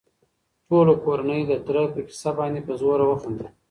ټوله کورنۍ د تره په کيسه باندې په زوره وخندل.